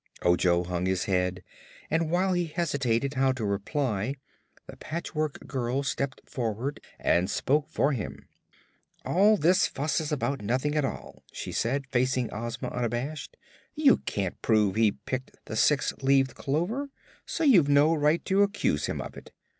Ojo hung his head and while he hesitated how to reply the Patchwork Girl stepped forward and spoke for him. "All this fuss is about nothing at all," she said, facing Ozma unabashed. "You can't prove he picked the six leaved clover, so you've no right to accuse him of it.